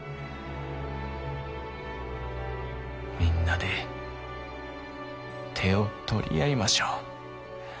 みんなで手を取り合いましょう。